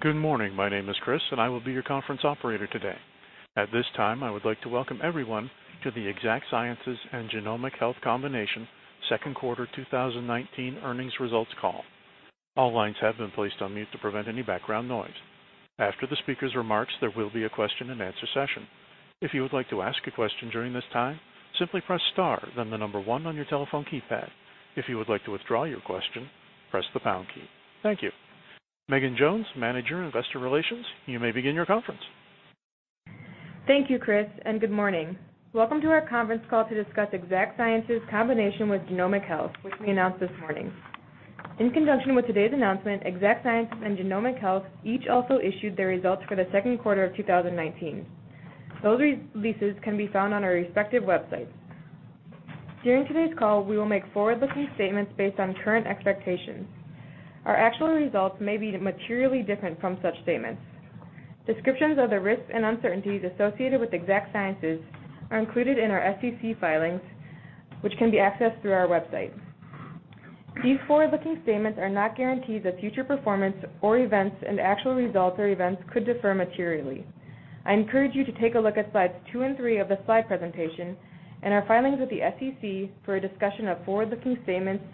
Good morning. My name is Chris, and I will be your conference operator today. At this time, I would like to welcome everyone to the Exact Sciences and Genomic Health combination second quarter 2019 earnings results call. All lines have been placed on mute to prevent any background noise. After the speaker's remarks, there will be a question-and-answer session. If you would like to ask a question during this time, simply press star, then the number one on your telephone keypad. If you would like to withdraw your question, press the pound key. Thank you. Megan Jones, Manager, Investor Relations, you may begin your conference. Thank you, Chris, and good morning. Welcome to our conference call to discuss Exact Sciences combination with Genomic Health, which we announced this morning. In conjunction with today's announcement, Exact Sciences and Genomic Health each also issued their results for the second quarter of 2019. Those releases can be found on our respective websites. During today's call, we will make forward-looking statements based on current expectations. Our actual results may be materially different from such statements. Descriptions of the risks and uncertainties associated with Exact Sciences are included in our SEC filings, which can be accessed through our website. These forward-looking statements are not guarantees of future performance or events, and actual results or events could differ materially. I encourage you to take a look at slides two and three of the slide presentation and our filings with the SEC for a discussion of forward-looking statements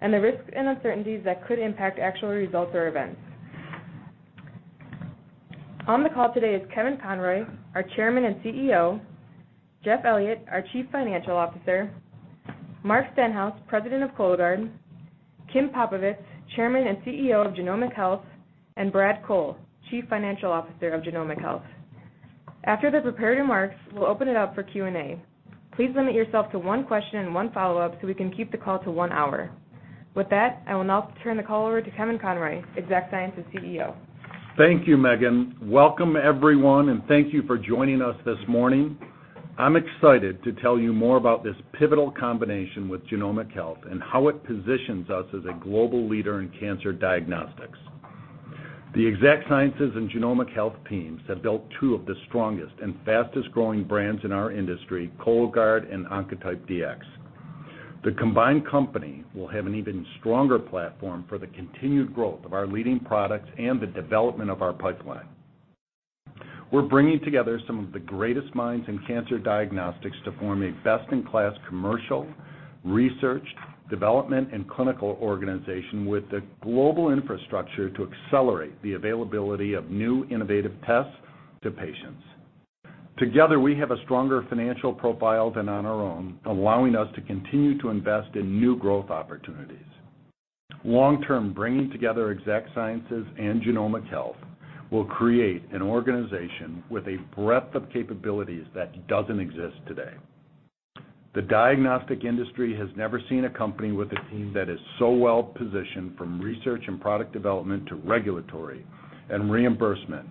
and the risks and uncertainties that could impact actual results or events. On the call today is Kevin Conroy, our Chairman and CEO, Jeff Elliott, our Chief Financial Officer, Mark Stenhouse, President of Cologuard, Kim Popovits, Chairman and CEO of Genomic Health, and Brad Cole, Chief Financial Officer of Genomic Health. After the prepared remarks, we'll open it up for Q&A. Please limit yourself to one question and one follow-up, so we can keep the call to one hour. With that, I will now turn the call over to Kevin Conroy, Exact Sciences CEO. Thank you, Megan. Welcome, everyone, and thank you for joining us this morning. I'm excited to tell you more about this pivotal combination with Genomic Health and how it positions us as a global leader in cancer diagnostics. The Exact Sciences and Genomic Health teams have built two of the strongest and fastest-growing brands in our industry, Cologuard and Oncotype DX. The combined company will have an even stronger platform for the continued growth of our leading products and the development of our pipeline. We're bringing together some of the greatest minds in cancer diagnostics to form a best-in-class commercial, research, development, and clinical organization with the global infrastructure to accelerate the availability of new innovative tests to patients. Together, we have a stronger financial profile than on our own, allowing us to continue to invest in new growth opportunities. Long term, bringing together Exact Sciences and Genomic Health will create an organization with a breadth of capabilities that doesn't exist today. The diagnostic industry has never seen a company with a team that is so well-positioned, from research and product development, to regulatory and reimbursement,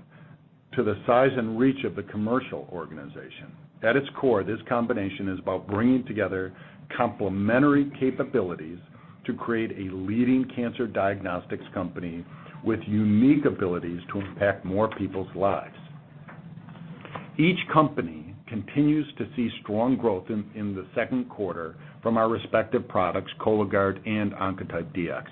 to the size and reach of the commercial organization. At its core, this combination is about bringing together complementary capabilities to create a leading cancer diagnostics company with unique abilities to impact more people's lives. Each company continues to see strong growth in the second quarter from our respective products, Cologuard and Oncotype DX.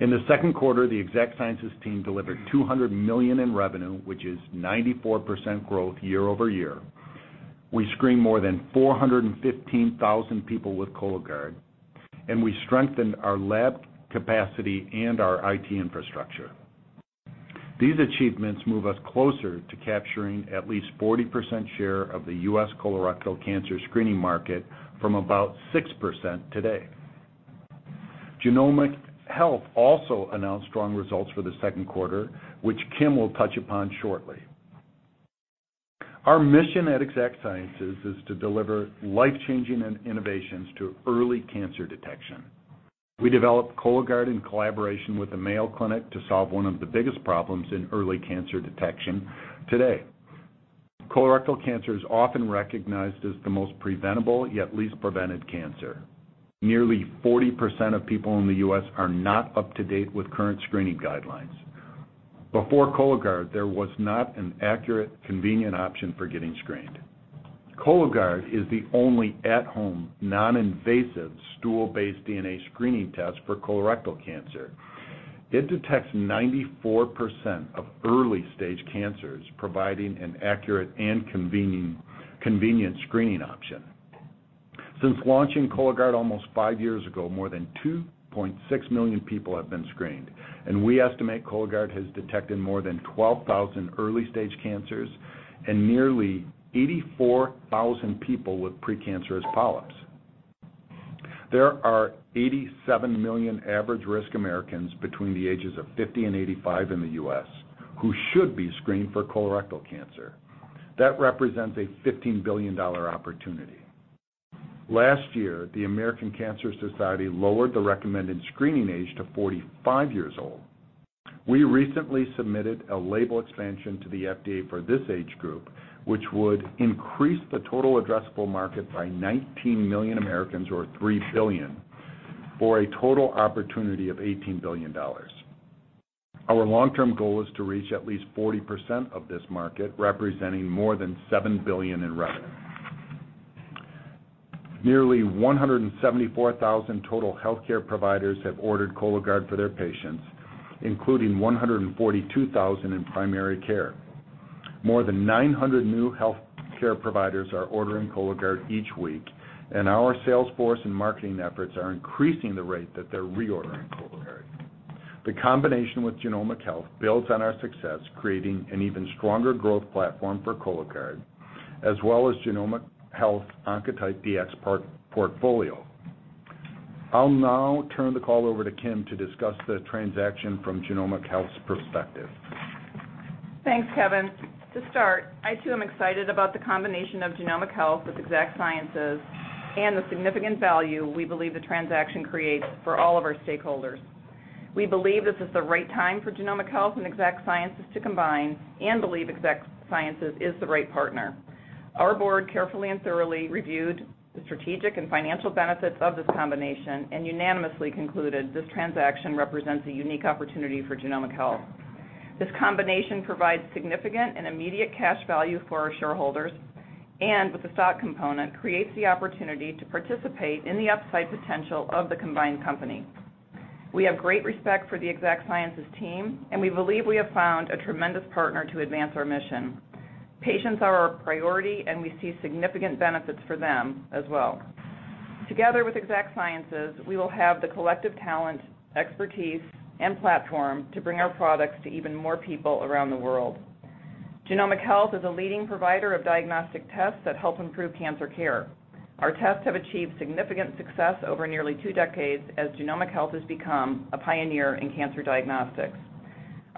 In the second quarter, the Exact Sciences team delivered $200 million in revenue, which is 94% growth year-over-year. We screened more than 415,000 people with Cologuard, and we strengthened our lab capacity and our IT infrastructure. These achievements move us closer to capturing at least 40% share of the U.S. colorectal cancer screening market from about 6% today. Genomic Health also announced strong results for the second quarter, which Kim will touch upon shortly. Our mission at Exact Sciences is to deliver life-changing innovations to early cancer detection. We developed Cologuard in collaboration with the Mayo Clinic to solve one of the biggest problems in early cancer detection today. Colorectal cancer is often recognized as the most preventable, yet least prevented cancer. Nearly 40% of people in the U.S. are not up to date with current screening guidelines. Before Cologuard, there was not an accurate, convenient option for getting screened. Cologuard is the only at-home, non-invasive, stool-based DNA screening test for colorectal cancer. It detects 94% of early-stage cancers, providing an accurate and convenient screening option. Since launching Cologuard almost five years ago, more than 2.6 million people have been screened, and we estimate Cologuard has detected more than 12,000 early-stage cancers and nearly 84,000 people with precancerous polyps. There are 87 million average-risk Americans between the ages of 50 and 85 in the U.S. who should be screened for colorectal cancer. That represents a $15 billion opportunity. Last year, the American Cancer Society lowered the recommended screening age to 45 years old. We recently submitted a label expansion to the FDA for this age group, which would increase the total addressable market by 19 million Americans or $3 billion, for a total opportunity of $18 billion. Our long-term goal is to reach at least 40% of this market, representing more than $7 billion in revenue. Nearly 174,000 total healthcare providers have ordered Cologuard for their patients, including 142,000 in primary care. More than 900 new healthcare providers are ordering Cologuard each week, and our sales force and marketing efforts are increasing the rate that they're reordering Cologuard. The combination with Genomic Health builds on our success, creating an even stronger growth platform for Cologuard, as well as Genomic Health's Oncotype DX portfolio. I'll now turn the call over to Kim to discuss the transaction from Genomic Health's perspective. Thanks, Kevin. To start, I too am excited about the combination of Genomic Health with Exact Sciences, and the significant value we believe the transaction creates for all of our stakeholders. We believe this is the right time for Genomic Health and Exact Sciences to combine, and believe Exact Sciences is the right partner. Our Board carefully and thoroughly reviewed the strategic and financial benefits of this combination and unanimously concluded this transaction represents a unique opportunity for Genomic Health. This combination provides significant and immediate cash value for our shareholders and, with the stock component, creates the opportunity to participate in the upside potential of the combined company. We have great respect for the Exact Sciences team, and we believe we have found a tremendous partner to advance our mission. Patients are our priority, and we see significant benefits for them as well. Together with Exact Sciences, we will have the collective talent, expertise, and platform to bring our products to even more people around the world. Genomic Health is a leading provider of diagnostic tests that help improve cancer care. Our tests have achieved significant success over nearly two decades as Genomic Health has become a pioneer in cancer diagnostics.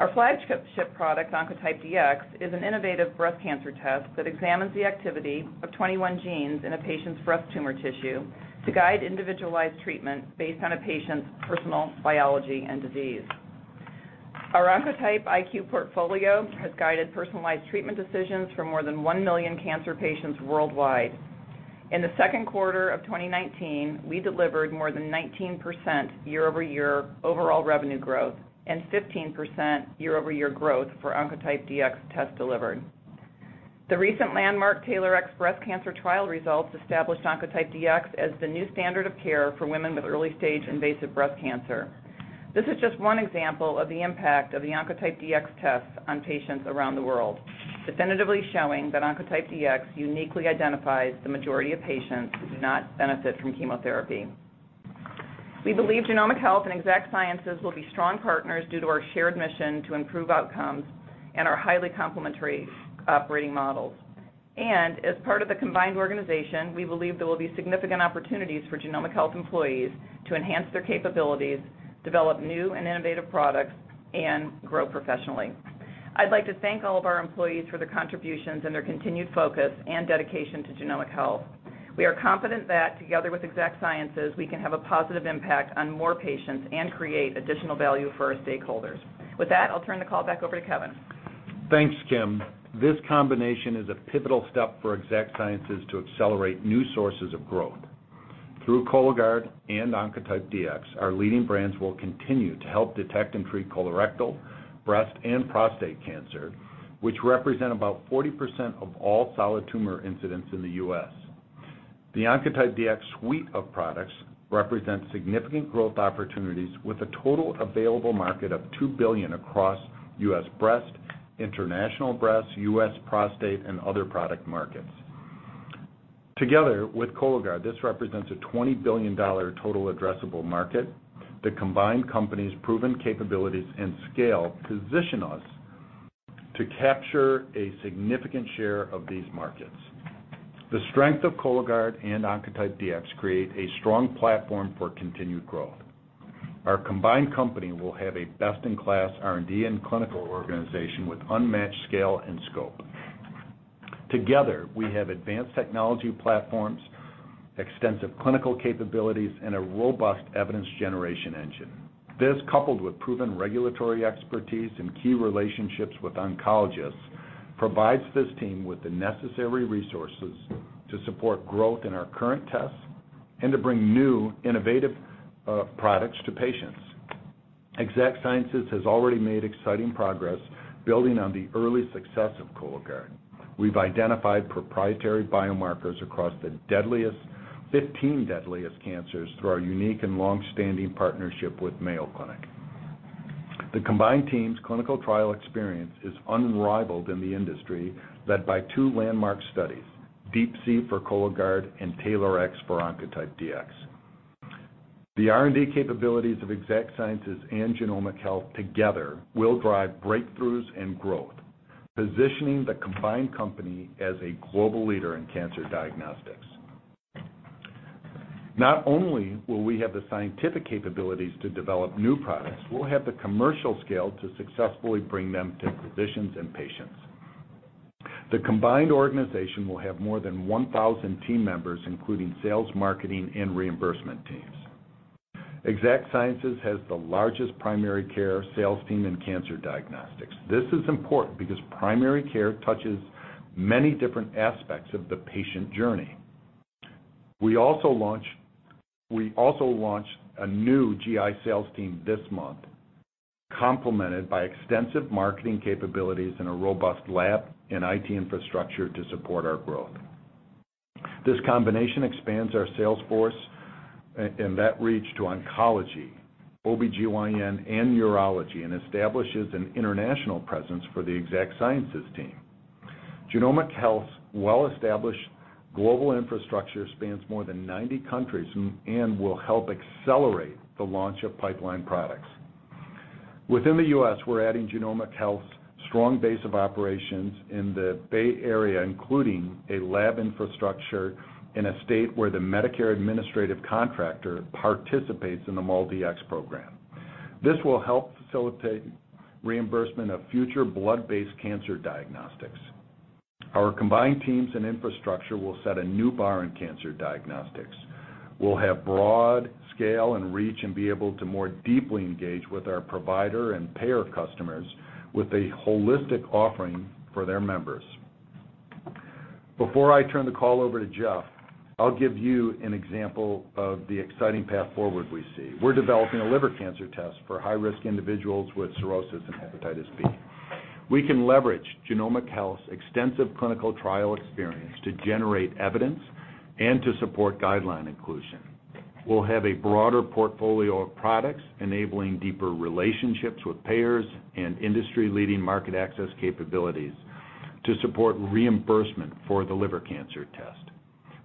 Our flagship product, Oncotype DX, is an innovative breast cancer test that examines the activity of 21 genes in a patient's breast tumor tissue to guide individualized treatment based on a patient's personal biology and disease. Our Oncotype IQ portfolio has guided personalized treatment decisions for more than one million cancer patients worldwide. In the second quarter of 2019, we delivered more than 19% year-over-year overall revenue growth and 15% year-over-year growth for Oncotype DX tests delivered. The recent landmark TAILORx breast cancer trial results established Oncotype DX as the new standard of care for women with early-stage invasive breast cancer. This is just one example of the impact of the Oncotype DX tests on patients around the world, definitively showing that Oncotype DX uniquely identifies the majority of patients who do not benefit from chemotherapy. We believe Genomic Health and Exact Sciences will be strong partners due to our shared mission to improve outcomes and our highly complementary operating models. As part of the combined organization, we believe there will be significant opportunities for Genomic Health employees to enhance their capabilities, develop new and innovative products, and grow professionally. I'd like to thank all of our employees for their contributions and their continued focus and dedication to Genomic Health. We are confident that, together with Exact Sciences, we can have a positive impact on more patients and create additional value for our stakeholders. With that, I'll turn the call back over to Kevin. Thanks, Kim. This combination is a pivotal step for Exact Sciences to accelerate new sources of growth. Through Cologuard and Oncotype DX, our leading brands will continue to help detect and treat colorectal, breast, and prostate cancer, which represent about 40% of all solid tumor incidents in the U.S. The Oncotype DX suite of products represents significant growth opportunities, with a total available market of $2 billion across U.S. breast, international breast, U.S. prostate, and other product markets. Together with Cologuard, this represents a $20 billion total addressable market. The combined company's proven capabilities and scale position us to capture a significant share of these markets. The strength of Cologuard and Oncotype DX create a strong platform for continued growth. Our combined company will have a best-in-class R&D and clinical organization with unmatched scale and scope. Together, we have advanced technology platforms, extensive clinical capabilities, and a robust evidence generation engine. This, coupled with proven regulatory expertise and key relationships with oncologists, provides this team with the necessary resources to support growth in our current tests and to bring new innovative products to patients. Exact Sciences has already made exciting progress building on the early success of Cologuard. We've identified proprietary biomarkers across the 15 deadliest cancers through our unique and long-standing partnership with Mayo Clinic. The combined team's clinical trial experience is unrivaled in the industry, led by two landmark studies: DeeP-C for Cologuard and TAILORx for Oncotype DX. The R&D capabilities of Exact Sciences and Genomic Health together will drive breakthroughs and growth, positioning the combined company as a global leader in cancer diagnostics. Not only will we have the scientific capabilities to develop new products, we'll have the commercial scale to successfully bring them to physicians and patients. The combined organization will have more than 1,000 team members, including sales, marketing, and reimbursement teams. Exact Sciences has the largest primary care sales team in cancer diagnostics. This is important because primary care touches many different aspects of the patient journey. We also launched a new GI sales team this month. Complemented by extensive marketing capabilities and a robust lab and IT infrastructure to support our growth. This combination expands our sales force and that reach to oncology, OBGYN, and urology, and establishes an international presence for the Exact Sciences team. Genomic Health's well-established global infrastructure spans more than 90 countries and will help accelerate the launch of pipeline products. Within the U.S., we're adding Genomic Health's strong base of operations in the Bay Area, including a lab infrastructure in a state where the Medicare administrative contractor participates in the MolDX program. This will help facilitate reimbursement of future blood-based cancer diagnostics. Our combined teams and infrastructure will set a new bar in cancer diagnostics. We'll have broad scale and reach and be able to more deeply engage with our provider and payer customers with a holistic offering for their members. Before I turn the call over to Jeff, I'll give you an example of the exciting path forward we see. We're developing a liver cancer test for high-risk individuals with cirrhosis and hepatitis B. We can leverage Genomic Health's extensive clinical trial experience to generate evidence and to support guideline inclusion. We'll have a broader portfolio of products enabling deeper relationships with payers and industry-leading market access capabilities to support reimbursement for the liver cancer test.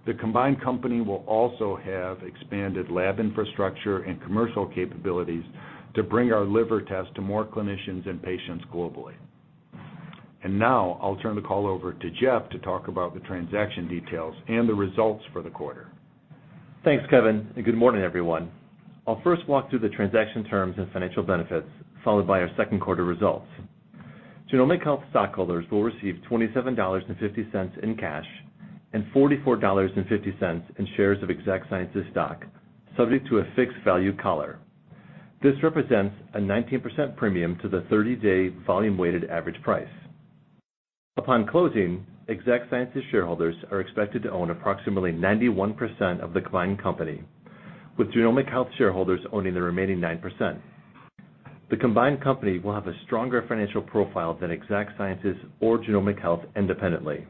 The combined company will also have expanded lab infrastructure and commercial capabilities to bring our liver test to more clinicians and patients globally. Now I'll turn the call over to Jeff to talk about the transaction details and the results for the quarter. Thanks, Kevin, and good morning, everyone. I'll first walk through the transaction terms and financial benefits, followed by our second quarter results. Genomic Health stockholders will receive $27.50 in cash and $44.50 in shares of Exact Sciences stock, subject to a fixed value collar. This represents a 19% premium to the 30-day volume-weighted average price. Upon closing, Exact Sciences shareholders are expected to own approximately 91% of the combined company, with Genomic Health shareholders owning the remaining 9%. The combined company will have a stronger financial profile than Exact Sciences or Genomic Health independently.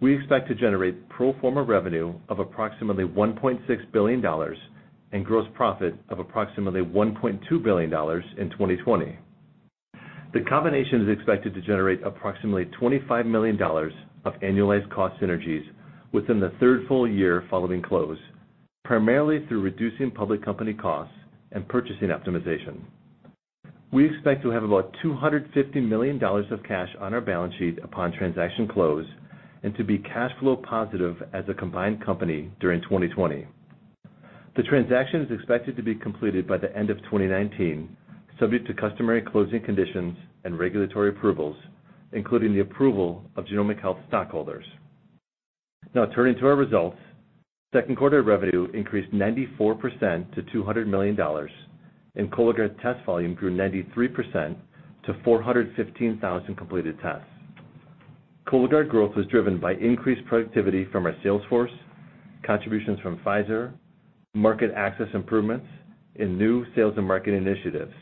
We expect to generate pro forma revenue of approximately $1.6 billion and gross profit of approximately $1.2 billion in 2020. The combination is expected to generate approximately $25 million of annualized cost synergies within the third full year following close, primarily through reducing public company costs and purchasing optimization. We expect to have about $250 million of cash on our balance sheet upon transaction close and to be cash flow positive as a combined company during 2020. The transaction is expected to be completed by the end of 2019, subject to customary closing conditions and regulatory approvals, including the approval of Genomic Health stockholders. Turning to our results. Second quarter revenue increased 94% to $200 million, and Cologuard test volume grew 93% to 415,000 completed tests. Cologuard growth was driven by increased productivity from our sales force, contributions from Pfizer, market access improvements, and new sales and marketing initiatives.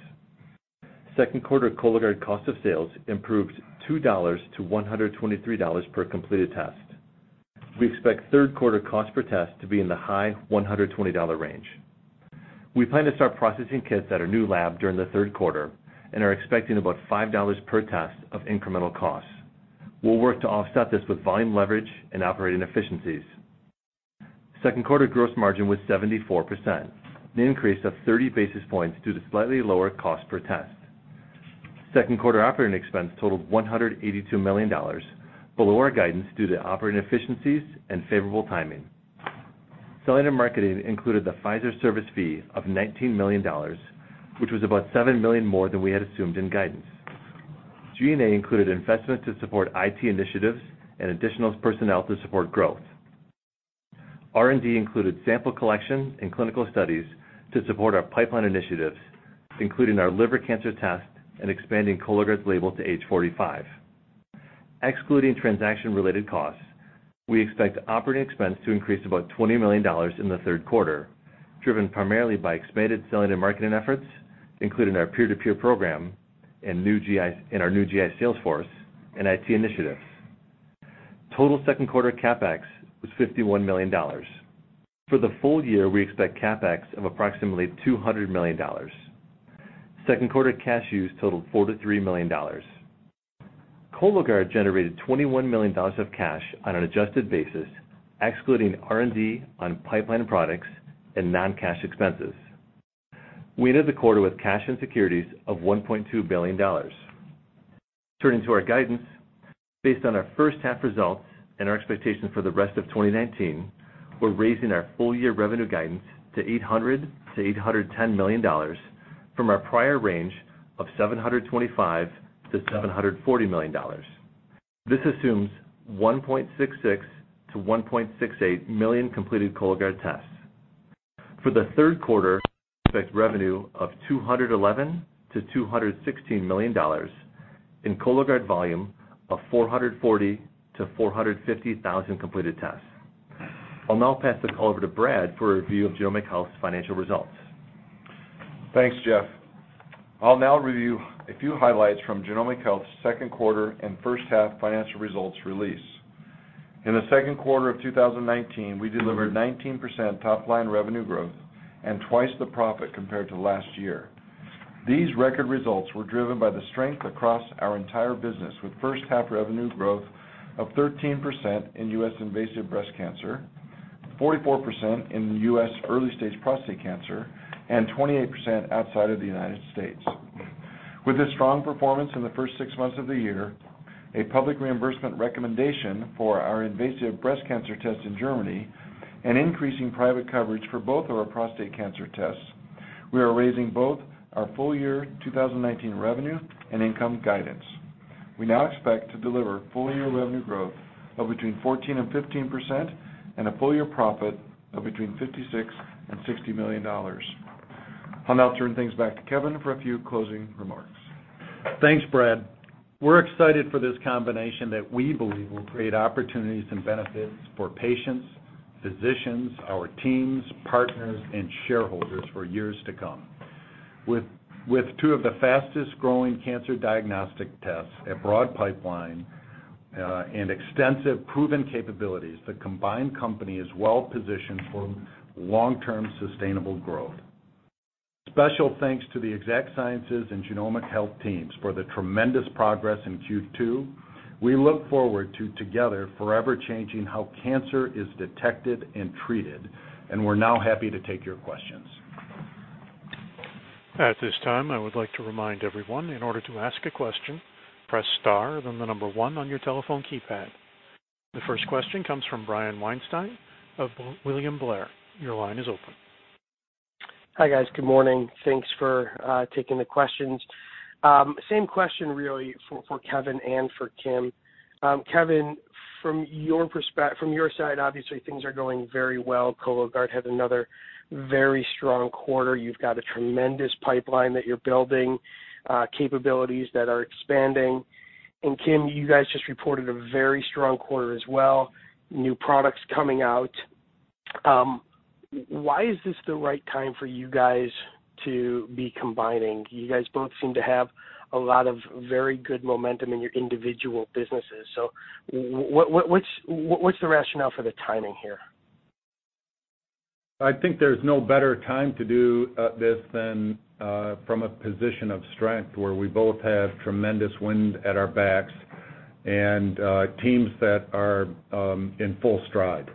Second quarter Cologuard cost of sales improved $2-$123 per completed test. We expect third quarter cost per test to be in the high $120 range. We plan to start processing kits at our new lab during the third quarter and are expecting about $5 per test of incremental costs. We'll work to offset this with volume leverage and operating efficiencies. Second quarter gross margin was 74%, an increase of 30 basis points due to slightly lower cost per test. Second quarter operating expense totaled $182 million, below our guidance due to operating efficiencies and favorable timing. Selling and marketing included the Pfizer service fee of $19 million, which was about $7 million more than we had assumed in guidance. G&A included investments to support IT initiatives and additional personnel to support growth. R&D included sample collection and clinical studies to support our pipeline initiatives, including our liver cancer test and expanding Cologuard's label to age 45. Excluding transaction-related costs, we expect operating expense to increase about $20 million in the third quarter, driven primarily by expanded selling and marketing efforts, including our peer-to-peer program and our new GI sales force and IT initiatives. Total second quarter CapEx was $51 million. For the full year, we expect CapEx of approximately $200 million. Second quarter cash use totaled $43 million. Cologuard generated $21 million of cash on an adjusted basis, excluding R&D on pipeline products and non-cash expenses. We ended the quarter with cash and securities of $1.2 billion. Turning to our guidance, based on our first half results and our expectations for the rest of 2019, we're raising our full year revenue guidance to $800 million-$810 million from our prior range of $725 million-$740 million. This assumes 1.66 million-1.68 million completed Cologuard tests. For the third quarter, we expect revenue of $211 million-$216 million. Cologuard volume of 440,000-450,000 completed tests. I'll now pass the call over to Brad for a review of Genomic Health's financial results. Thanks, Jeff. I'll now review a few highlights from Genomic Health's second quarter and first-half financial results release. In the second quarter of 2019, we delivered 19% top-line revenue growth and twice the profit compared to last year. These record results were driven by the strength across our entire business, with first half revenue growth of 13% in U.S. invasive breast cancer, 44% in U.S. early-stage prostate cancer, and 28% outside of the United States. With a strong performance in the first six months of the year, a public reimbursement recommendation for our invasive breast cancer test in Germany, and increasing private coverage for both of our prostate cancer tests, we are raising both our full year 2019 revenue and income guidance. We now expect to deliver full-year revenue growth of between 14% and 15% and a full-year profit of between $56 million and $60 million. I'll now turn things back to Kevin for a few closing remarks. Thanks, Brad. We're excited for this combination that we believe will create opportunities and benefits for patients, physicians, our teams, partners, and shareholders for years to come. With two of the fastest-growing cancer diagnostic tests, a broad pipeline, and extensive proven capabilities, the combined company is well-positioned for long-term sustainable growth. Special thanks to the Exact Sciences and Genomic Health teams for the tremendous progress in Q2. We look forward to together forever changing how cancer is detected and treated, and we're now happy to take your questions. At this time, I would like to remind everyone, in order to ask a question, press star, then the number one on your telephone keypad. The first question comes from Brian Weinstein of William Blair. Your line is open. Hi, guys. Good morning. Thanks for taking the questions. Same question really for Kevin and for Kim. Kevin, from your side, obviously things are going very well. Cologuard had another very strong quarter. You've got a tremendous pipeline that you're building, capabilities that are expanding. Kim, you guys just reported a very strong quarter as well, new products coming out. Why is this the right time for you guys to be combining? You guys both seem to have a lot of very good momentum in your individual businesses. What's the rationale for the timing here? I think there's no better time to do this than from a position of strength, where we both have tremendous wind at our backs and teams that are in full stride.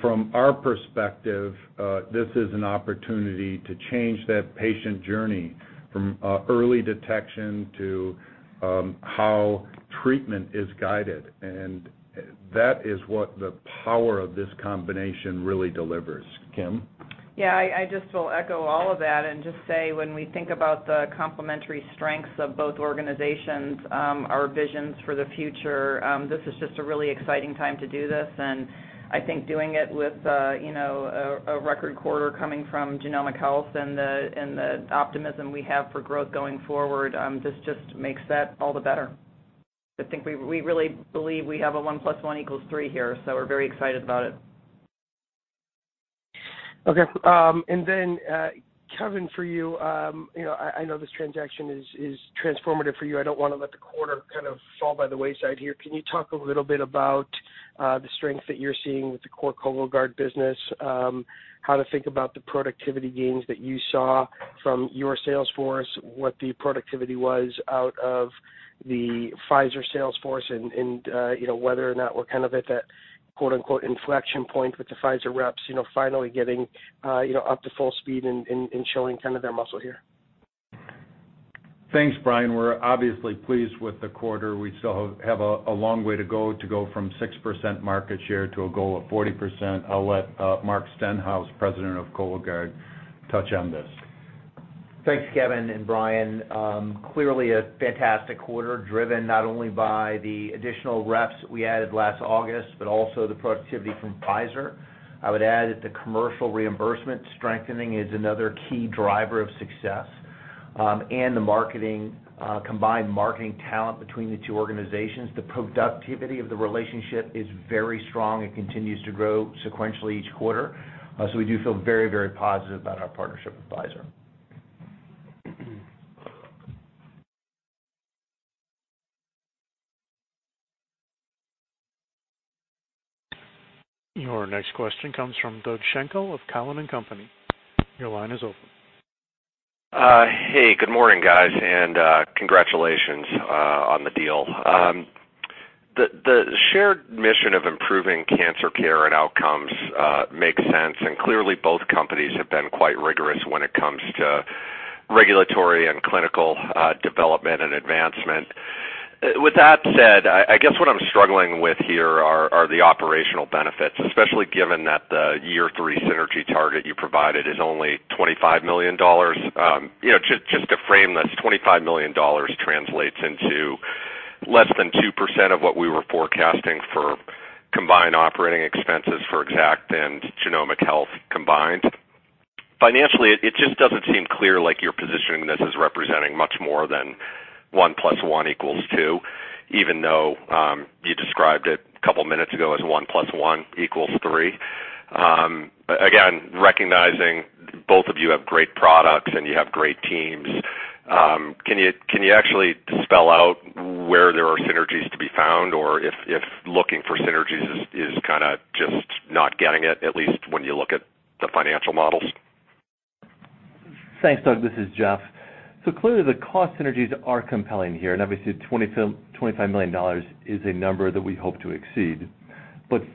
From our perspective, this is an opportunity to change that patient journey from early detection to how treatment is guided, and that is what the power of this combination really delivers. Kim? Yeah, I just will echo all of that and just say, when we think about the complementary strengths of both organizations, our visions for the future, this is just a really exciting time to do this. I think doing it with a record quarter coming from Genomic Health and the optimism we have for growth going forward, just makes that all the better. I think we really believe we have a one plus one equals three here, so we're very excited about it. Okay. Kevin, for you, I know this transaction is transformative for you. I don't want to let the quarter fall by the wayside here. Can you talk a little bit about the strength that you're seeing with the core Cologuard business? How to think about the productivity gains that you saw from your sales force, what the productivity was out of the Pfizer sales force, and whether or not we're at that "inflection point" with the Pfizer reps, finally getting up to full speed and showing their muscle here. Thanks, Brian. We're obviously pleased with the quarter. We still have a long way to go to go from 6% market share to a goal of 40%. I'll let Mark Stenhouse, President of Cologuard, touch on this. Thanks, Kevin and Brian. Clearly a fantastic quarter, driven not only by the additional reps we added last August, but also the productivity from Pfizer. I would add that the commercial reimbursement strengthening is another key driver of success, and the combined marketing talent between the two organizations. The productivity of the relationship is very strong and continues to grow sequentially each quarter. We do feel very, very positive about our partnership with Pfizer. Your next question comes from Doug Schenkel of Cowen & Co. Your line is open. Hey, good morning, guys. Congratulations on the deal. The shared mission of improving cancer care and outcomes makes sense, and clearly both companies have been quite rigorous when it comes to regulatory and clinical development and advancement. With that said, I guess what I'm struggling with here are the operational benefits, especially given that the year three synergy target you provided is only $25 million. Just to frame this, $25 million translates into less than 2% of what we were forecasting for combined operating expenses for Exact Sciences. It just doesn't seem clear, like you're positioning this as representing much more than one plus one equals two, even though you described it a couple of minutes ago as one plus one equals three. Again, recognizing both of you have great products and you have great teams, can you actually spell out where there are synergies to be found, or if looking for synergies is kind of just not getting it, at least when you look at the financial models? Thanks, Doug. This is Jeff. Clearly the cost synergies are compelling here, and obviously, $25 million is a number that we hope to exceed.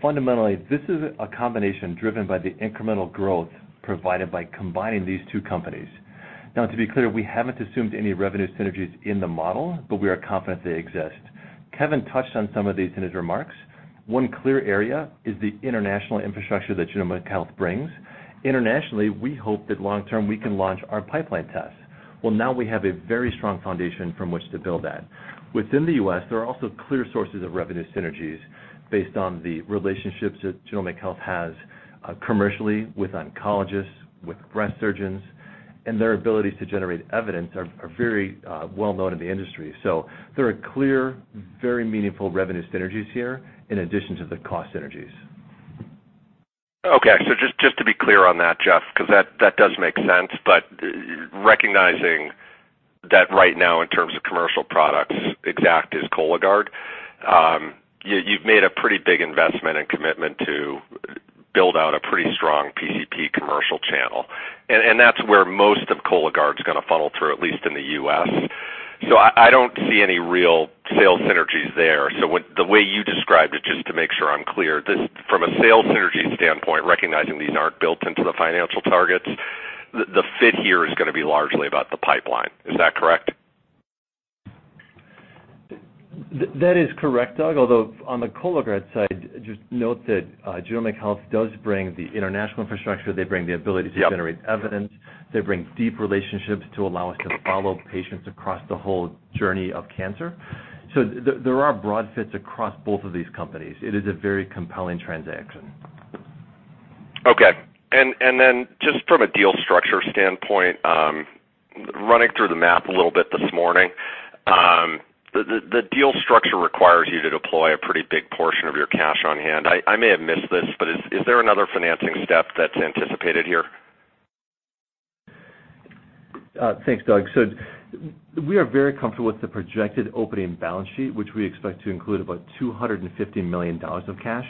Fundamentally, this is a combination driven by the incremental growth provided by combining these two companies. Now, to be clear, we haven't assumed any revenue synergies in the model, but we are confident they exist. Kevin touched on some of these in his remarks. One clear area is the international infrastructure that Genomic Health brings. Internationally, we hope that long term we can launch our pipeline tests. Well, now we have a very strong foundation from which to build that. Within the U.S., there are also clear sources of revenue synergies based on the relationships that Genomic Health has commercially with oncologists, with breast surgeons, and their abilities to generate evidence are very well known in the industry. There are clear, very meaningful revenue synergies here in addition to the cost synergies. Okay. Just to be clear on that, Jeff, because that does make sense, but recognizing that right now, in terms of commercial products, Exact is Cologuard. You've made a pretty big investment and commitment to build out a pretty strong PCP commercial channel, and that's where most of Cologuard's going to funnel through, at least in the U.S. I don't see any real sales synergies there. The way you described it, just to make sure I'm clear, from a sales synergy standpoint, recognizing these aren't built into the financial targets, the fit here is going to be largely about the pipeline. Is that correct? That is correct, Doug. On the Cologuard side, just note that Genomic Health does bring the international infrastructure. Yep. To generate evidence. They bring deep relationships to allow us to follow patients across the whole journey of cancer. There are broad fits across both of these companies. It is a very compelling transaction. Okay. Just from a deal structure standpoint, running through the math a little bit this morning, the deal structure requires you to deploy a pretty big portion of your cash on hand. I may have missed this, is there another financing step that's anticipated here? Thanks, Doug. We are very comfortable with the projected opening balance sheet, which we expect to include about $250 million of cash.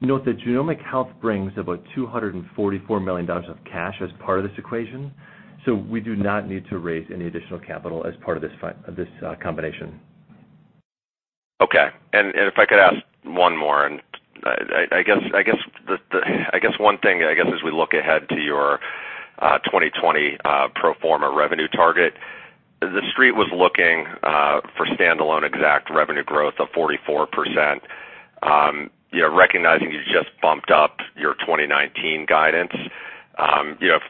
Note that Genomic Health brings about $244 million of cash as part of this equation, so we do not need to raise any additional capital as part of this combination. Okay. If I could ask one more, I guess one thing, I guess as we look ahead to your 2020 pro forma revenue target, the Street was looking for standalone Exact revenue growth of 44%. Recognizing you just bumped up your 2019 guidance,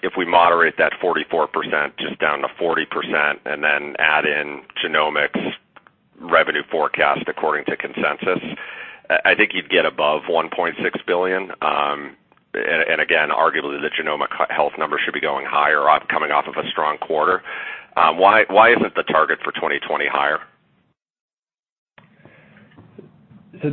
if we moderate that 44% just down to 40% and then add in Genomics revenue forecast according to consensus, I think you'd get above $1.6 billion. Again, arguably, the Genomic Health numbers should be going higher coming off of a strong quarter. Why isn't the target for 2020 higher?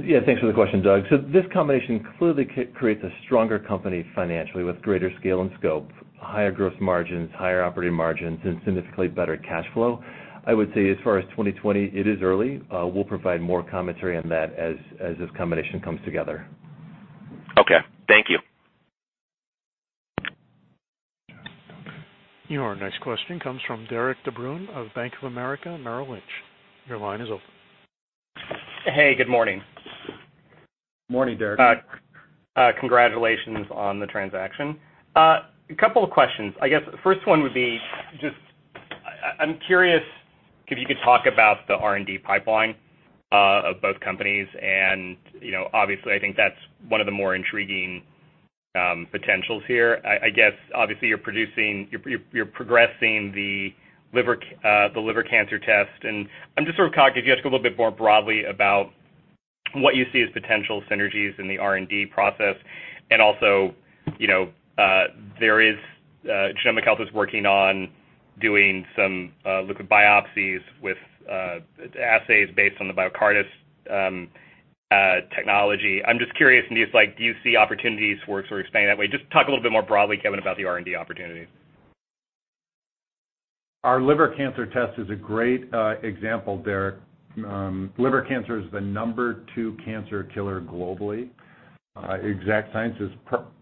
Yeah, thanks for the question, Doug. This combination clearly creates a stronger company financially with greater scale and scope, higher gross margins, higher operating margins, and significantly better cash flow. I would say as far as 2020, it is early. We'll provide more commentary on that as this combination comes together. Okay. Thank you. Your next question comes from Derik De Bruin of Bank of America Merrill Lynch. Your line is open. Hey, good morning. Morning, Derik. Congratulations on the transaction. A couple of questions. I guess the first one would be just, I'm curious if you could talk about the R&D pipeline of both companies and obviously, I think that's one of the more intriguing potentials here. I guess obviously you're progressing the liver cancer test, and I'm just sort of cognizant if you could talk a little bit more broadly about what you see as potential synergies in the R&D process. Also, Genomic Health is working on doing some liquid biopsies with assays based on the Biocartis technology. I'm just curious from you, it's like, do you see opportunities for it to expand that way? Just talk a little bit more broadly, Kevin, about the R&D opportunities. Our liver cancer test is a great example, Derik. Liver cancer is the number 2 cancer killer globally. Exact Sciences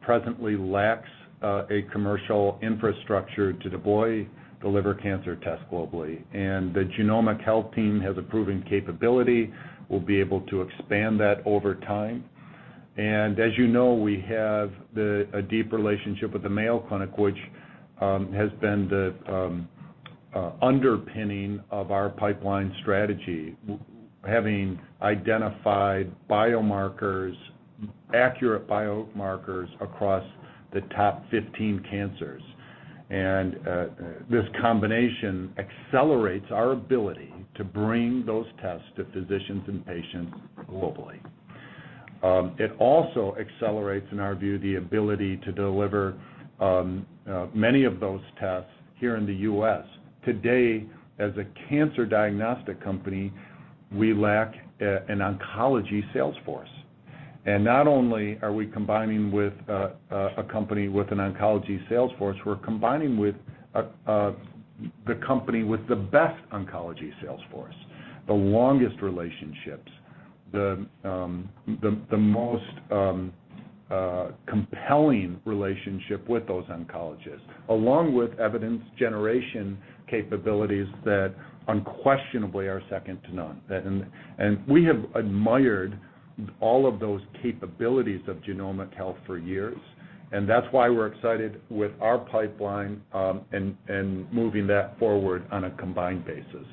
presently lacks a commercial infrastructure to deploy the liver cancer test globally, and the Genomic Health team has a proven capability. We'll be able to expand that over time. As you know, we have a deep relationship with the Mayo Clinic, which has been the underpinning of our pipeline strategy, having identified biomarkers, accurate biomarkers, across the top 15 cancers. This combination accelerates our ability to bring those tests to physicians and patients globally. It also accelerates, in our view, the ability to deliver many of those tests here in the U.S. Today, as a cancer diagnostic company, we lack an oncology sales force. Not only are we combining with a company with an oncology sales force, we're combining with the company with the best oncology sales force, the longest relationships, the most compelling relationship with those oncologists, along with evidence generation capabilities that unquestionably are second to none. We have admired all of those capabilities of Genomic Health for years, and that's why we're excited with our pipeline and moving that forward on a combined basis.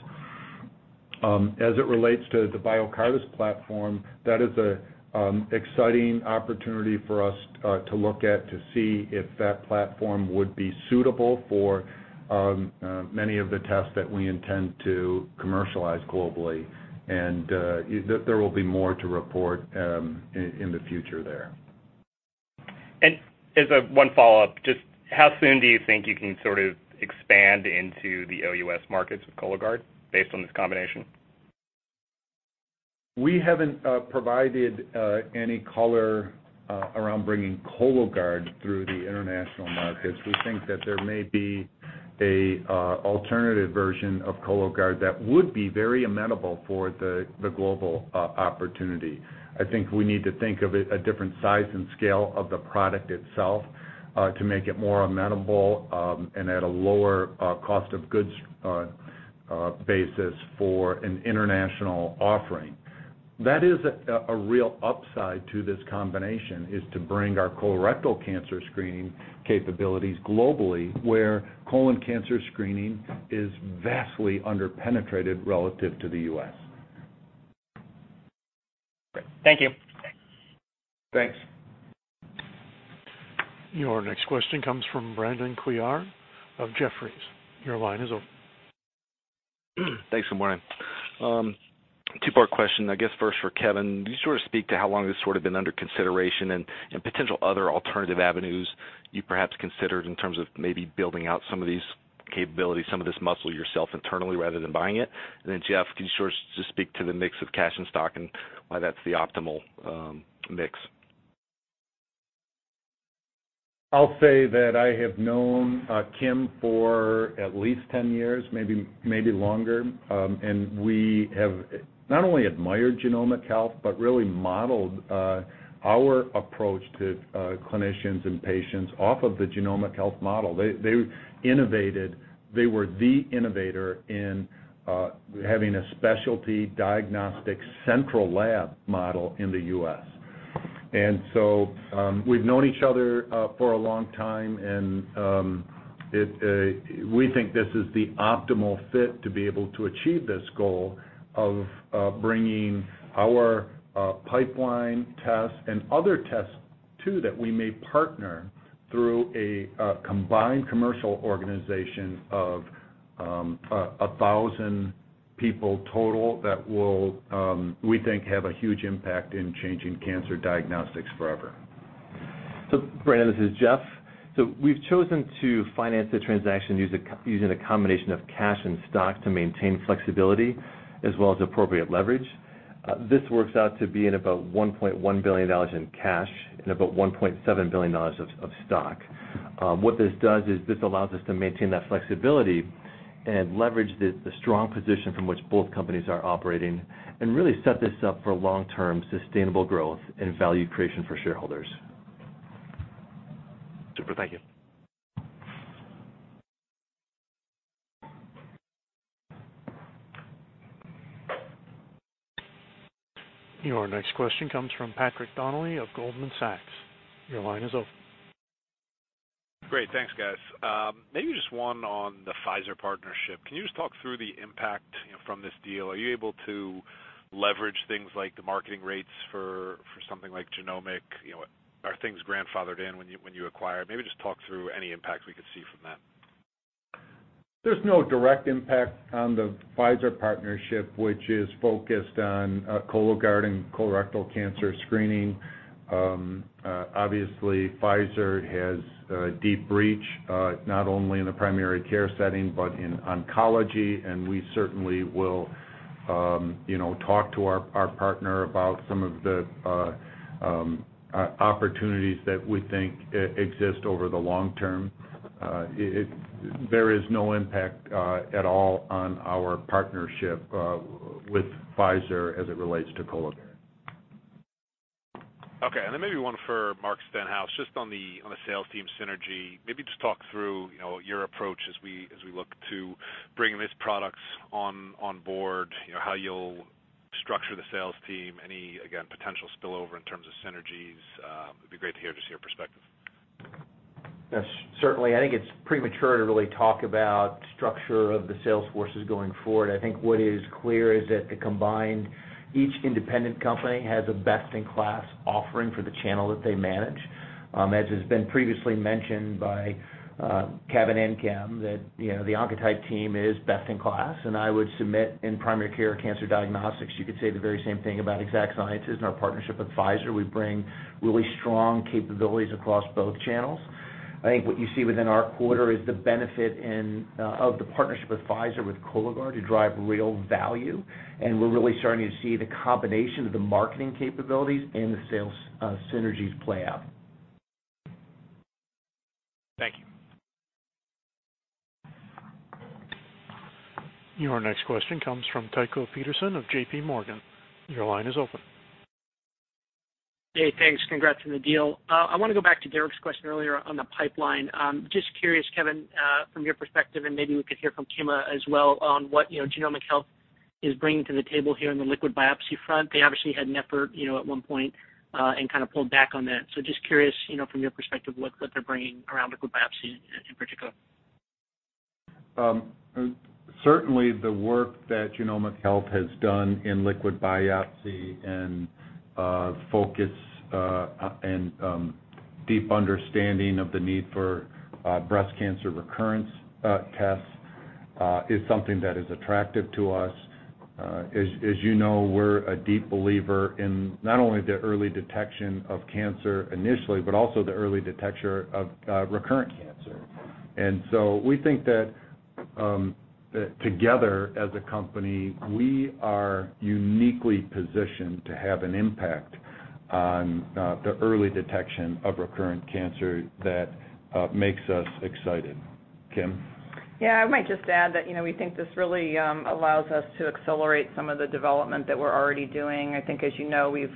As it relates to the Biocartis platform, that is an exciting opportunity for us to look at to see if that platform would be suitable for many of the tests that we intend to commercialize globally. There will be more to report in the future there. As one follow-up, just how soon do you think you can sort of expand into the OUS markets with Cologuard based on this combination? We haven't provided any color around bringing Cologuard through the international markets. We think that there may be an alternative version of Cologuard that would be very amenable for the global opportunity. I think we need to think of it a different size and scale of the product itself, to make it more amenable, and at a lower cost of goods basis for an international offering. That is a real upside to this combination, is to bring our colorectal cancer screening capabilities globally, where colon cancer screening is vastly under-penetrated relative to the U.S. Great. Thank you. Thanks. Your next question comes from Brandon Couillard of Jefferies. Your line is open. Thanks, good morning. Two-part question, I guess first for Kevin. Can you sort of speak to how long this sort of been under consideration and potential other alternative avenues you perhaps considered in terms of maybe building out some of these capabilities, some of this muscle yourself internally rather than buying it? Then Jeff, can you sort of just speak to the mix of cash and stock and why that's the optimal mix? I'll say that I have known Kim for at least 10 years, maybe longer. We have not only admired Genomic Health, but really modeled our approach to clinicians and patients off of the Genomic Health model. They innovated. They were the innovator in having a specialty diagnostic central lab model in the U.S. We've known each other for a long time, and we think this is the optimal fit to be able to achieve this goal of bringing our pipeline tests and other tests too, that we may partner through a combined commercial organization of 1,000 people total that will, we think, have a huge impact in changing cancer diagnostics forever. Brandon, this is Jeff. We've chosen to finance the transaction using a combination of cash and stock to maintain flexibility as well as appropriate leverage. This works out to be at about $1.1 billion in cash and about $1.7 billion of stock. What this does is this allows us to maintain that flexibility and leverage the strong position from which both companies are operating and really set this up for long-term sustainable growth and value creation for shareholders. Super. Thank you. Your next question comes from Patrick Donnelly of Goldman Sachs. Your line is open. Great. Thanks, guys. Maybe just one on the Pfizer partnership. Can you just talk through the impact from this deal? Are you able to leverage things like the marketing rates for something like Genomic? Are things grandfathered in when you acquire? Maybe just talk through any impacts we could see from that. There's no direct impact on the Pfizer partnership, which is focused on Cologuard and colorectal cancer screening. Pfizer has a deep reach, not only in the primary care setting, but in oncology, and we certainly will talk to our partner about some of the opportunities that we think exist over the long term. There is no impact at all on our partnership with Pfizer as it relates to Cologuard. Okay. Then maybe one for Mark Stenhouse, just on the sales team synergy. Maybe just talk through your approach as we look to bring his products on board, how you'll structure the sales team, any, again, potential spillover in terms of synergies. It'd be great to hear, just your perspective. Yes, certainly. I think it's premature to really talk about structure of the sales forces going forward. I think what is clear is that each independent company has a best-in-class offering for the channel that they manage. As has been previously mentioned by Kevin and Kim that the Oncotype team is best in class. I would submit in primary care cancer diagnostics, you could say the very same thing about Exact Sciences and our partnership with Pfizer. We bring really strong capabilities across both channels. I think what you see within our quarter is the benefit of the partnership with Pfizer, with Cologuard to drive real value. We're really starting to see the combination of the marketing capabilities and the sales synergies play out. Thank you. Your next question comes from Tycho Peterson of JPMorgan. Your line is open. Hey, thanks. Congrats on the deal. I want to go back to Derik's question earlier on the pipeline. Just curious, Kevin, from your perspective, and maybe we could hear from Kim as well on what Genomic Health is bringing to the table here on the liquid biopsy front. They obviously had an effort at one point and kind of pulled back on that. Just curious from your perspective what they're bringing around liquid biopsy in particular. Certainly, the work that Genomic Health has done in liquid biopsy and focus and deep understanding of the need for breast cancer recurrence tests is something that is attractive to us. As you know, we're a deep believer in not only the early detection of cancer initially, but also the early detection of recurrent cancer. We think that together as a company, we are uniquely positioned to have an impact on the early detection of recurrent cancer that makes us excited. Kim? Yeah, I might just add that we think this really allows us to accelerate some of the development that we're already doing. I think, as you know, we've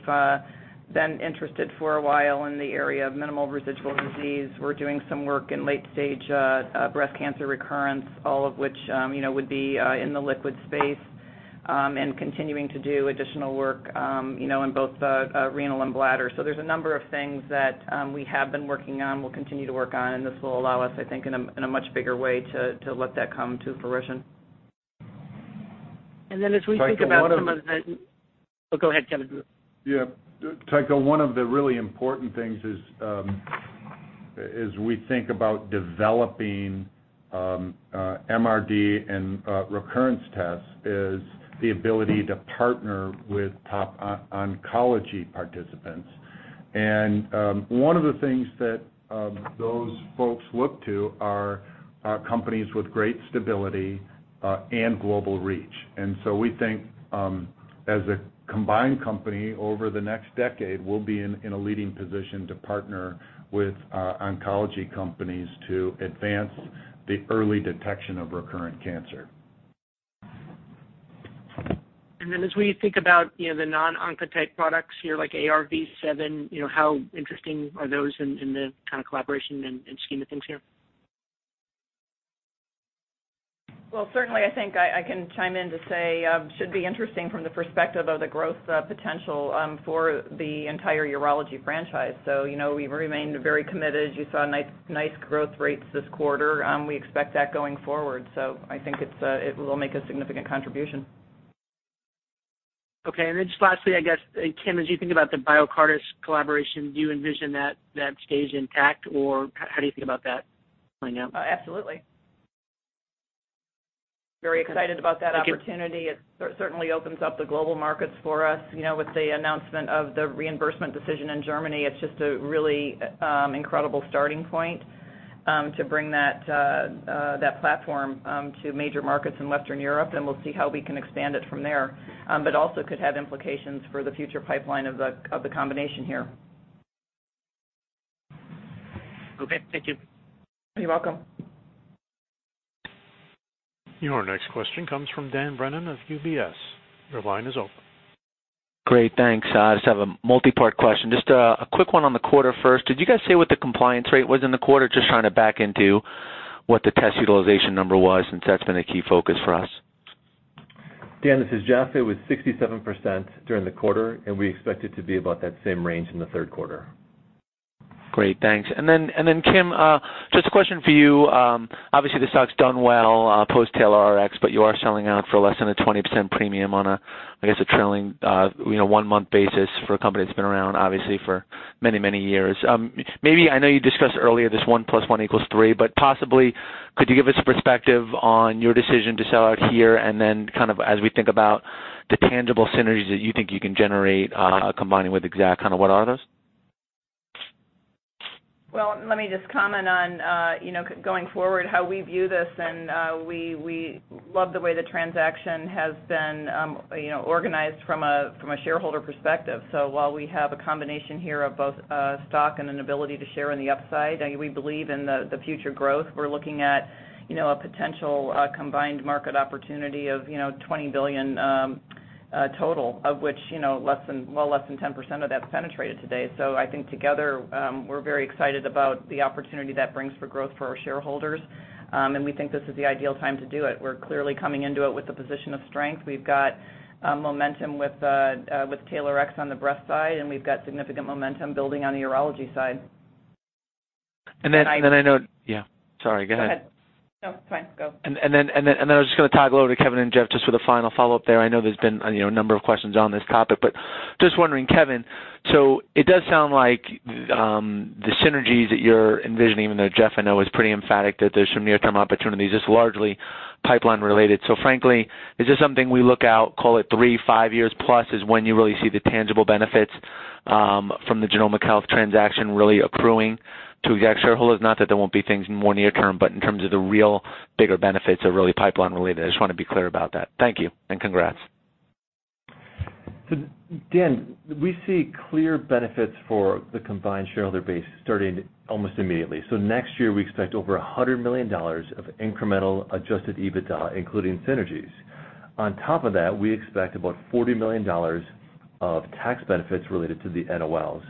been interested for a while in the area of minimal residual disease. We're doing some work in late stage breast cancer recurrence, all of which would be in the liquid space and continuing to do additional work in both renal and bladder. There's a number of things that we have been working on, we'll continue to work on, and this will allow us, I think, in a much bigger way to let that come to fruition. As we think about. Tycho, one of the. Oh, go ahead, Kevin. Yeah. Tycho, one of the really important things is as we think about developing MRD and recurrence tests is the ability to partner with top oncology participants. One of the things that those folks look to are companies with great stability and global reach. We think as a combined company over the next decade, we'll be in a leading position to partner with oncology companies to advance the early detection of recurrent cancer. As we think about the non-Oncotype products here, like AR-V7, how interesting are those in the kind of collaboration and scheme of things here? Well, certainly, I think I can chime in to say should be interesting from the perspective of the growth potential for the entire urology franchise. We've remained very committed. You saw nice growth rates this quarter. We expect that going forward. I think it will make a significant contribution. Okay. Just lastly, I guess, Kim, as you think about the Biocartis collaboration, do you envision that stage intact or how do you think about that playing out? Oh, absolutely. Very excited about that opportunity. Thank you. It certainly opens up the global markets for us. With the announcement of the reimbursement decision in Germany, it's just a really incredible starting point to bring that platform to major markets in Western Europe, and we'll see how we can expand it from there. Also could have implications for the future pipeline of the combination here. Okay. Thank you. You're welcome. Your next question comes from Dan Brennan of UBS. Your line is open. Great. Thanks. I just have a multi-part question. Just a quick one on the quarter first. Did you guys say what the compliance rate was in the quarter? Just trying to back into what the test utilization number was since that has been a key focus for us. Dan, this is Jeff. It was 67% during the quarter, we expect it to be about that same range in the third quarter. Great. Thanks. Kim, just a question for you. Obviously, the stock's done well post-TAILORx, but you are selling out for less than a 20% premium on a, I guess, a trailing one-month basis for a company that's been around, obviously for many years. Maybe, I know you discussed earlier this one plus one equals three, but possibly could you give us perspective on your decision to sell out here and then kind of as we think about the tangible synergies that you think you can generate combining with Exact, kind of what are those? Let me just comment on going forward how we view this and we love the way the transaction has been organized from a shareholder perspective. While we have a combination here of both stock and an ability to share in the upside, we believe in the future growth. We're looking at a potential combined market opportunity of $20 billion total, of which less than, well, less than 10% of that's penetrated today. I think together we're very excited about the opportunity that brings for growth for our shareholders. We think this is the ideal time to do it. We're clearly coming into it with a position of strength. We've got momentum with TAILORx on the breast side, and we've got significant momentum building on the urology side. And then I know- Sorry. Yeah. Sorry, go ahead. No, it's fine. Go. I was just going to toggle over to Kevin and Jeff just with a final follow-up there. I know there's been a number of questions on this topic, just wondering, Kevin, it does sound like the synergies that you're envisioning, even though Jeff I know is pretty emphatic that there's some near-term opportunities, is largely pipeline related. Frankly, is this something we look out, call it three, five years plus is when you really see the tangible benefits from the Genomic Health transaction really accruing to Exact shareholders? Not that there won't be things more near term, in terms of the real bigger benefits are really pipeline related. I just want to be clear about that. Thank you, and congrats. Dan, we see clear benefits for the combined shareholder base starting almost immediately. Next year, we expect over $100 million of incremental adjusted EBITDA, including synergies. On top of that, we expect about $40 million of tax benefits related to the NOLs.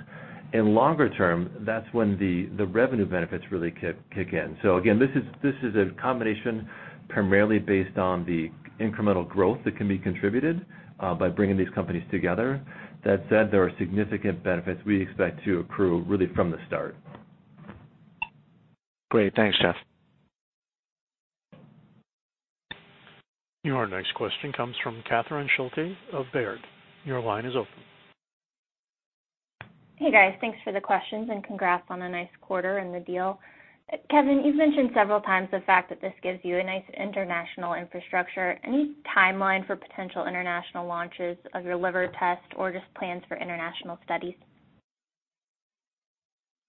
In longer term, that's when the revenue benefits really kick in. Again, this is a combination primarily based on the incremental growth that can be contributed by bringing these companies together. That said, there are significant benefits we expect to accrue really from the start. Great. Thanks, Jeff. Your next question comes from Catherine Schulte of Baird. Your line is open. Hey, guys. Thanks for the questions and congrats on a nice quarter and the deal. Kevin, you've mentioned several times the fact that this gives you a nice international infrastructure. Any timeline for potential international launches of your liver test or just plans for international studies?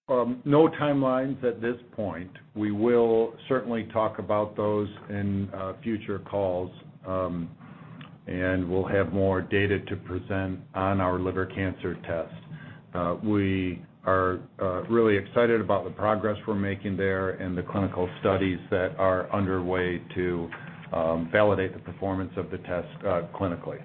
No timelines at this point. We will certainly talk about those in future calls, and we'll have more data to present on our liver cancer test. We are really excited about the progress we're making there and the clinical studies that are underway to validate the performance of the test clinically.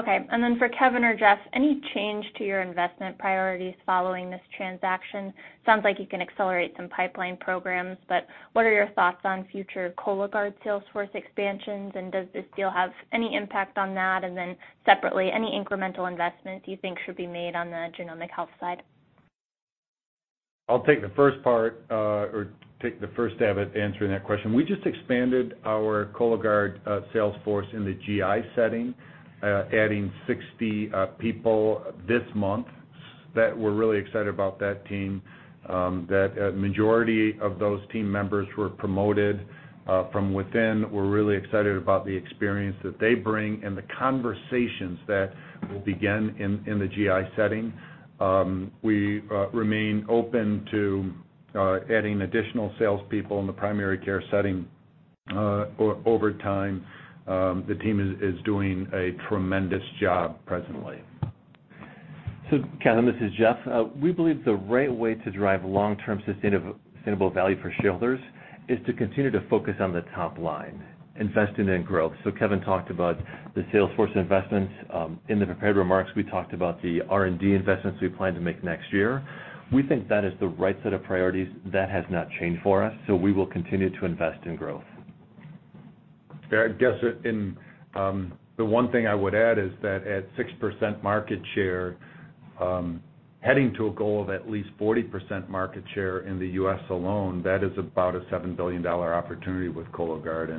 Okay. For Kevin or Jeff, any change to your investment priorities following this transaction? Sounds like you can accelerate some pipeline programs, but what are your thoughts on future Cologuard sales force expansions, and does this deal have any impact on that? Separately, any incremental investment do you think should be made on the Genomic Health side? I'll take the first part or take the first stab at answering that question. We just expanded our Cologuard sales force in the GI setting, adding 60 people this month that we're really excited about that team, that a majority of those team members were promoted from within. We're really excited about the experience that they bring and the conversations that will begin in the GI setting. We remain open to adding additional salespeople in the primary care setting over time. The team is doing a tremendous job presently. Catherine, this is Jeff. We believe the right way to drive long-term sustainable value for shareholders is to continue to focus on the top line, investing in growth. Kevin talked about the sales force investments. In the prepared remarks, we talked about the R&D investments we plan to make next year. We think that is the right set of priorities. That has not changed for us, so we will continue to invest in growth. I guess the one thing I would add is that at 6% market share, heading to a goal of at least 40% market share in the U.S. alone, that is about a $7 billion opportunity with Cologuard.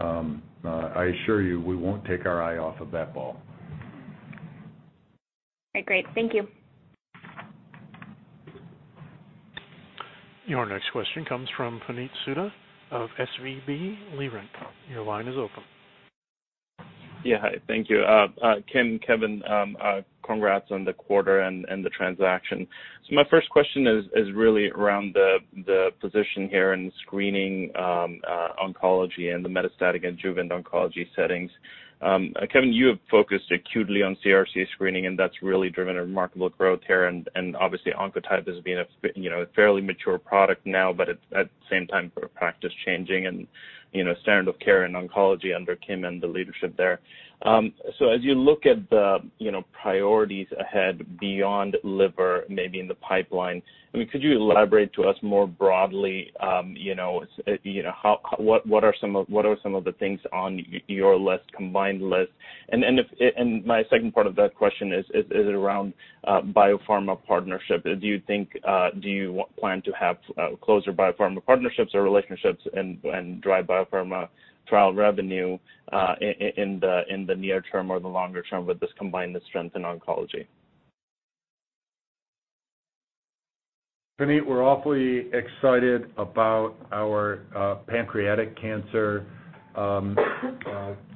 I assure you, we won't take our eye off of that ball. All right, great. Thank you. Your next question comes from Puneet Souda of SVB Leerink. Your line is open. Yeah, hi. Thank you. Kim, Kevin, congrats on the quarter and the transaction. My first question is really around the position here in screening oncology and the metastatic and adjuvant oncology settings. Kevin, you have focused acutely on CRC screening, and that's really driven a remarkable growth here, and obviously, Oncotype has been a fairly mature product now, but at the same time, practice changing and standard of care in oncology under Kim and the leadership there. As you look at the priorities ahead beyond liver, maybe in the pipeline, could you elaborate to us more broadly, what are some of the things on your list, combined list? My second part of that question is around biopharma partnership. Do you plan to have closer biopharma partnerships or relationships and drive biopharma trial revenue in the near term or the longer term with this combined strength in oncology? Puneet, we're awfully excited about our pancreatic cancer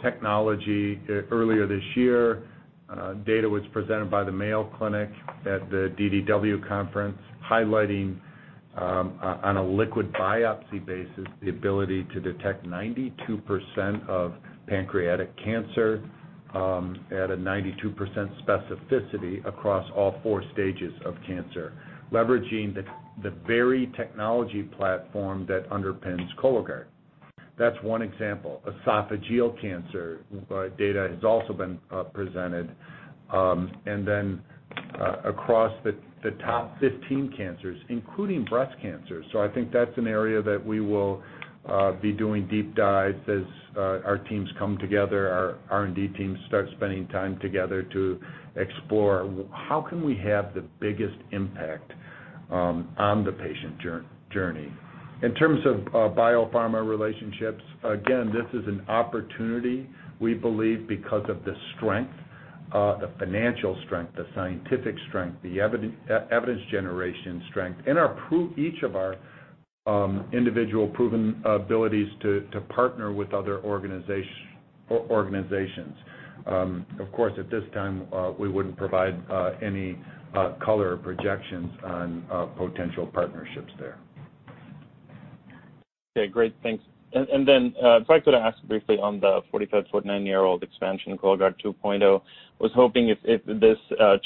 technology. Earlier this year, data was presented by the Mayo Clinic at the DDW conference highlighting, on a liquid biopsy basis, the ability to detect 92% of pancreatic cancer at a 92% specificity across all 4 stages of cancer, leveraging the very technology platform that underpins Cologuard. That's one example. Esophageal cancer data has also been presented, and then across the top 15 cancers, including breast cancer. I think that's an area that we will be doing deep dives as our teams come together, our R&D teams start spending time together to explore how can we have the biggest impact on the patient journey. In terms of biopharma relationships, again, this is an opportunity we believe because of the strength, the financial strength, the scientific strength, the evidence generation strength, and each of our individual proven abilities to partner with other organizations. Of course, at this time, we wouldn't provide any color or projections on potential partnerships there. Okay, great. Thanks. If I could ask briefly on the 45-49-year-old expansion Cologuard 2.0, I was hoping if this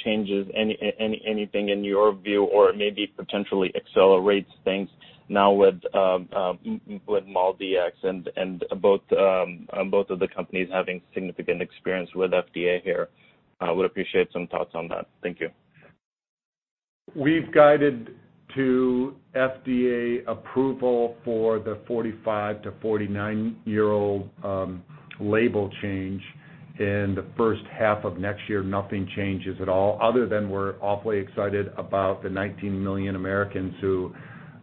changes anything in your view or maybe potentially accelerates things now with MolDX and both of the companies having significant experience with FDA here. I would appreciate some thoughts on that. Thank you. We've guided to FDA approval for the 45-49-year-old label change in the first half of next year. Nothing changes at all other than we're awfully excited about the 19 million Americans who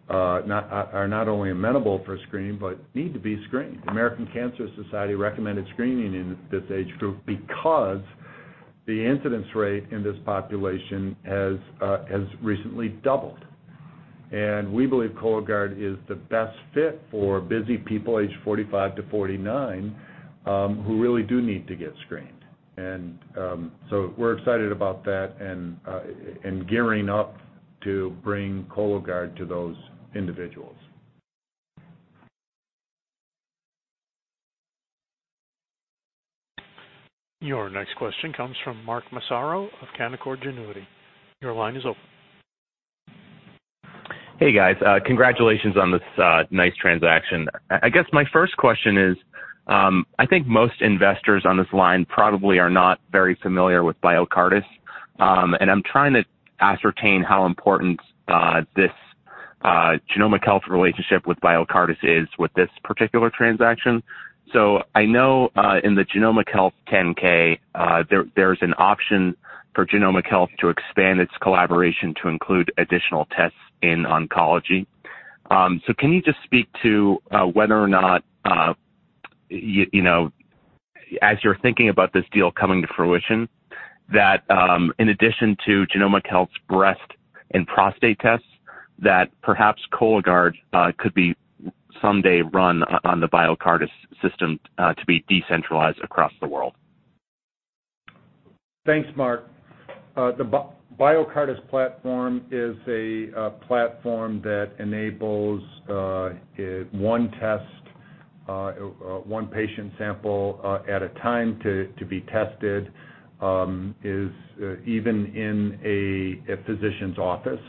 are not only amenable for screening but need to be screened. The American Cancer Society recommended screening in this age group because the incidence rate in this population has recently doubled. We believe Cologuard is the best fit for busy people aged 45-49, who really do need to get screened. We're excited about that and gearing up to bring Cologuard to those individuals. Your next question comes from Mark Massaro of Canaccord Genuity. Your line is open. Hey, guys. Congratulations on this nice transaction. I guess my first question is, I think most investors on this line probably are not very familiar with Biocartis. I'm trying to ascertain how important this Genomic Health relationship with Biocartis is with this particular transaction. I know, in the Genomic Health 10-K, there's an option for Genomic Health to expand its collaboration to include additional tests in oncology. Can you just speak to whether or not, as you're thinking about this deal coming to fruition, that in addition to Genomic Health's breast and prostate tests, that perhaps Cologuard could be someday run on the Biocartis system to be decentralized across the world? Thanks, Mark. The Biocartis platform is a platform that enables one test, one patient sample at a time to be tested, even in a physician's office.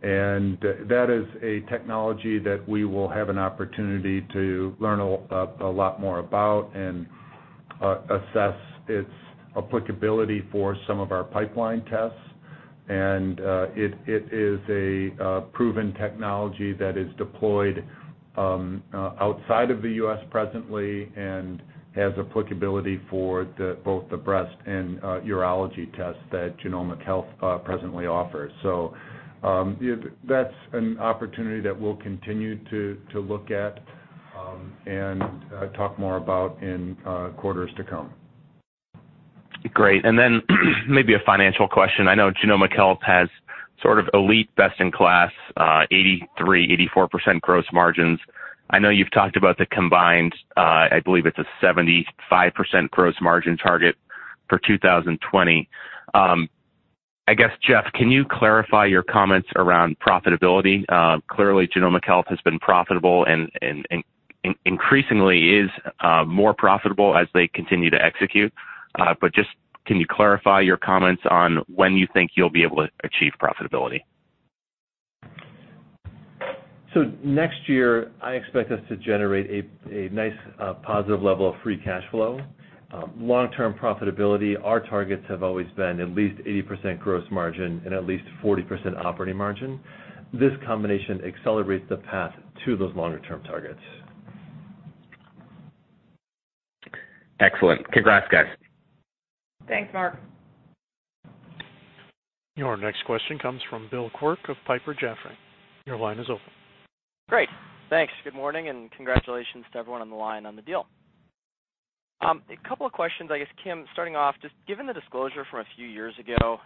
That is a technology that we will have an opportunity to learn a lot more about and assess its applicability for some of our pipeline tests. It is a proven technology that is deployed outside of the U.S. presently and has applicability for both the breast and urology tests that Genomic Health presently offers. That's an opportunity that we'll continue to look at, and talk more about in quarters to come. Great. Then maybe a financial question. I know Genomic Health has sort of elite best in class, 83%, 84% gross margins. I know you've talked about the combined, I believe it's a 75% gross margin target for 2020. I guess, Jeff, can you clarify your comments around profitability? Clearly, Genomic Health has been profitable and increasingly is more profitable as they continue to execute. Just can you clarify your comments on when you think you'll be able to achieve profitability? Next year, I expect us to generate a nice positive level of free cash flow. Long-term profitability, our targets have always been at least 80% gross margin and at least 40% operating margin. This combination accelerates the path to those longer-term targets. Excellent. Congrats, guys. Thanks, Mark. Your next question comes from Bill Quirk of Piper Jaffray. Your line is open. Great. Thanks. Good morning, and congratulations to everyone on the line on the deal. A couple of questions, I guess, Kim, starting off, just given the disclosure from a few years ago,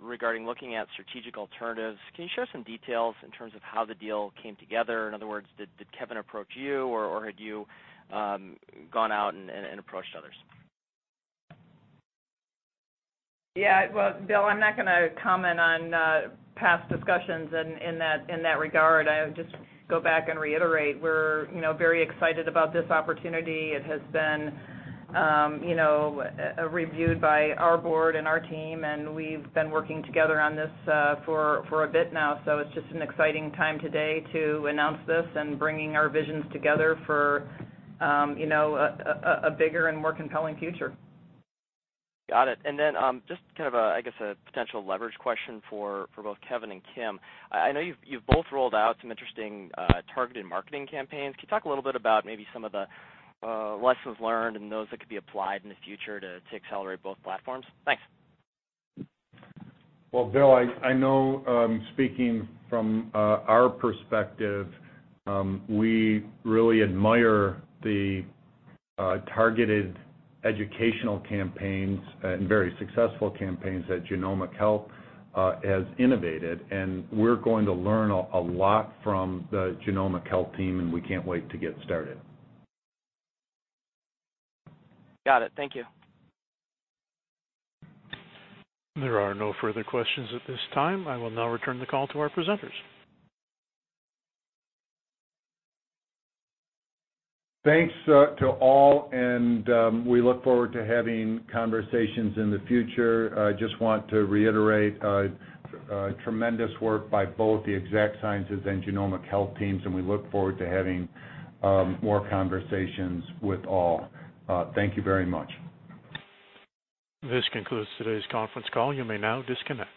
regarding looking at strategic alternatives, can you share some details in terms of how the deal came together? In other words, did Kevin approach you or had you gone out and approached others? Yeah. Well, Bill, I'm not going to comment on past discussions in that regard. I would just go back and reiterate we're very excited about this opportunity. It has been reviewed by our board and our team, and we've been working together on this for a bit now. It's just an exciting time today to announce this and bringing our visions together for a bigger and more compelling future. Got it. Just kind of a, I guess, a potential leverage question for both Kevin and Kim. I know you've both rolled out some interesting targeted marketing campaigns. Can you talk a little bit about maybe some of the lessons learned and those that could be applied in the future to accelerate both platforms? Thanks. Well, Bill, I know, speaking from our perspective, we really admire the targeted educational campaigns and very successful campaigns that Genomic Health has innovated, and we're going to learn a lot from the Genomic Health team, and we can't wait to get started. Got it. Thank you. There are no further questions at this time. I will now return the call to our presenters. Thanks to all, and we look forward to having conversations in the future. I just want to reiterate, tremendous work by both the Exact Sciences and Genomic Health teams, and we look forward to having more conversations with all. Thank you very much. This concludes today's conference call. You may now disconnect.